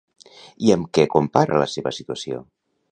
I amb què compara la seva situació?